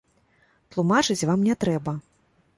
Тлумачыць вам не трэба.